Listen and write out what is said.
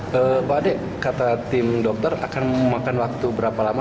pak adek kata tim dokter akan memakan waktu berapa lama